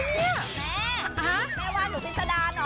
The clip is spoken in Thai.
แม็ว่าหนูผิดสดานเหรอ